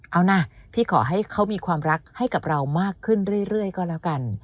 เอานะพี่ขอให้เขามีความรักให้กับเรามากขึ้นเรื่อยก็แล้วกัน